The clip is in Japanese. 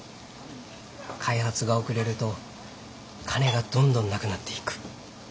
開発が遅れると金がどんどんなくなっていく。